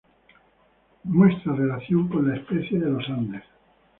Muestra relación con la especie de Los Andes.